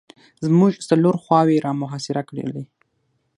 زموږ څلور خواوې یې را محاصره کړلې.